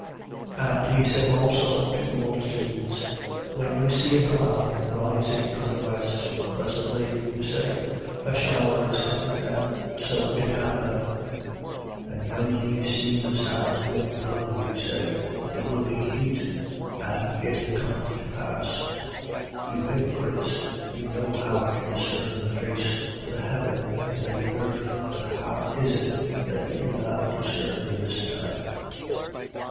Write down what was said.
12:54. And he said also to the multitudes: When you see a cloud rising from the west, presently you say: A shower is coming. And so it happeneth. 12:55. And when ye see the south wind blow, you say: There will heat. And it cometh to pass. 12:56. You hypocrites, you know how to discern the face of the heaven and of the earth: but how is it that you do not discern this time?